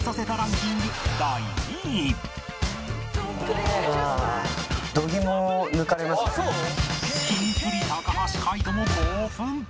キンプリ橋海人も興奮！